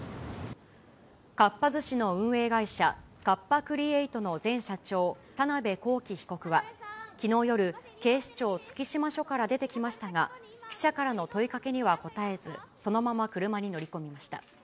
かっぱ寿司の運営会社、カッパ・クリエイトの前社長、田辺公己被告は、きのう夜、警視庁月島署から出てきましたが、記者からの問いかけには答えず、そのまま車に乗り込みました。